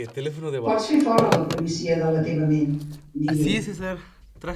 "Pots fer fora la policia de la teva ment", digué.